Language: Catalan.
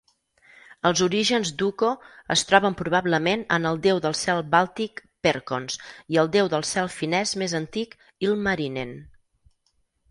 Els orígens d'Ukko es troben probablement en el déu del cel bàltic Perkons i el déu del cel finès més antic Ilmarinen.